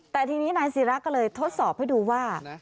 แต่ทีนี้นายศิราก็เลยทดสอบให้ดูว่า